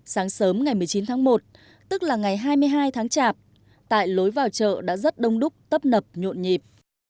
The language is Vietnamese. sáng sớm ngày một mươi chín tháng một tức là ngày hai mươi hai tháng chạp tại lối vào chợ đã rất đông đúc tấp nập nhộn nhịp